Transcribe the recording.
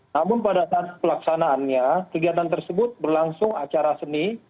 namun pada saat pelaksanaannya kegiatan tersebut berlangsung acara seni